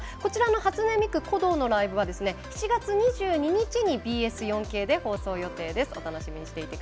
初音ミク×鼓童のライブは７月２２日にＢＳ４Ｋで放送予定です。